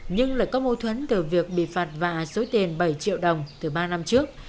nhưng lại có mâu thuẫn từ việc bị phạt vạ số tiền bảy triệu đồng từ ba năm trước